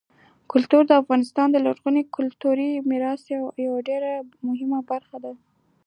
کلتور د افغانستان د لرغوني کلتوري میراث یوه ډېره مهمه برخه ده.